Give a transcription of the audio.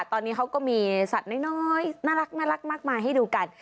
ตอนนี้เขาก็มีสัตว์น้อยน่ารักมากมายให้ดูกัน